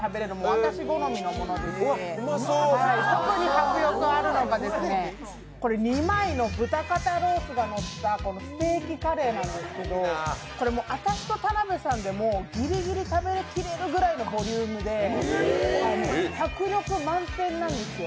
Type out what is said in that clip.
私好みのものでして特に迫力あるのが、２枚の豚肩ロースがのったステーキカレーなんですけど、私と田辺さんでもギリギリ食べきれるぐらいのボリュームで迫力満点なんですよ